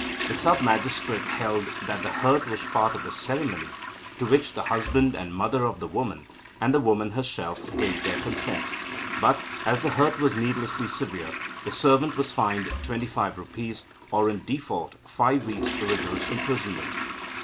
The sub magistrate held that the hurt was part of the ceremony, to which the husband and mother of the woman, and the woman herself, gave their consent. But, as the hurt was needlessly severe, the servant was fined twenty five rupees, or in default five weeks' rigorous imprisonment.